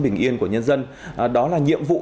bình yên của nhân dân đó là nhiệm vụ